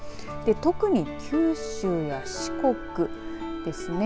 特に、九州や四国ですね。